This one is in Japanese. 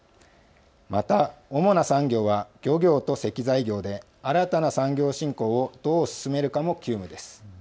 また主な産業は漁業と石材業で新たな産業振興をどう進めるかも急務です。